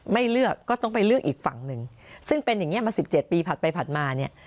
ไม่เลือกก็ต้องไปเลือกอีกฝั่งหนึ่งซึ่งเป็นอย่างนี้มาสิบเจ็ดปีผัดไปผัดมาเนี่ย